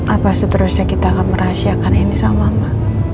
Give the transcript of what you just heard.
apa seterusnya kita akan merahasiakan ini sama